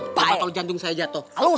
gak patah jantung saya jatuh